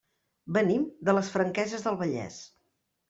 Venim de les Franqueses del Vallès.